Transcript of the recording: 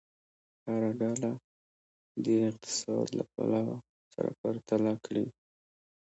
هره ډله دې اقتصاد له پلوه سره پرتله کړي.